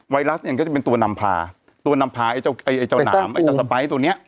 ไรัสเนี่ยก็จะเป็นตัวนำพาตัวนำพาไอ้เจ้าไอ้เจ้าหนามไอ้เจ้าสไปร์ตัวเนี้ย